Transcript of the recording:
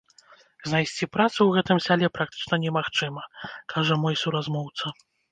Знайсці працу ў гэтым сяле практычна немагчыма, кажа мой суразмоўца.